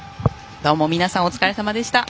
どうも皆さんお疲れさまでした。